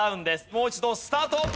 もう一度スタート。